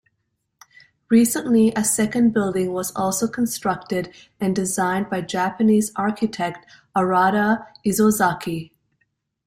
Recently a second building was also constructed and designed by Japanese architect Arata Isozaki.